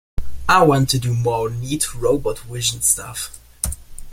I want to do more neat robot vision stuff.